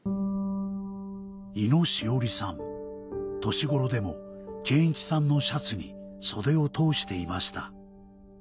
年頃でも憲一さんのシャツに袖を通していました